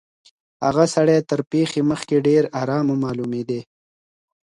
هغه سړی تر پېښي مخکي ډېر آرامه معلومېدی.